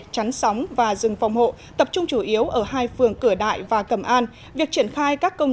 chắn sóng và rừng phòng hộ tập trung chủ yếu ở hai phường cửa đại và cầm an việc triển khai các công